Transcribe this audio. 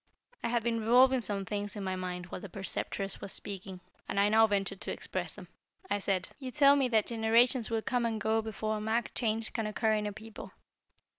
I had been revolving some things in my mind while the Preceptress was speaking, and I now ventured to express them. I said: "You tell me that generations will come and go before a marked change can occur in a people.